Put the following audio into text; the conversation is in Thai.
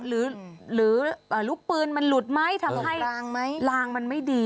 หรือลูกปืนมันหลุดไหมทำให้ลางมันไม่ดี